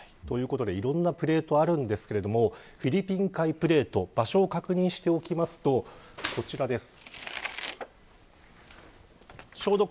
いろんなプレートがあるんですがフィリピン海プレート場所を確認すると、こちらです。